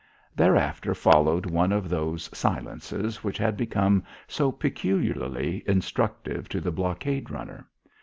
Thereafter followed one of those silences which had become so peculiarly instructive to the blockade runner.